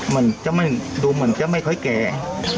มันจะดูเหมือนจะไม่ค่อยแก่